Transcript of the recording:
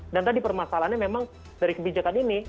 dan tadi permasalahannya memang dari kebijakannya